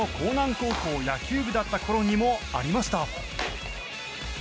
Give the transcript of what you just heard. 高校野球部だったころにもありました。